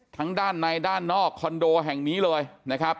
ด้านในด้านนอกคอนโดแห่งนี้เลยนะครับ